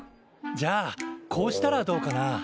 じゃあこうしたらどうかな。